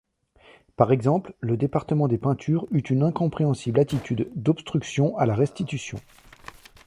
Par exemple, le département des peintures eut une incompréhensible attitude d'obstruction à la restitution.